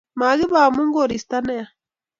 makibe omu koristo neya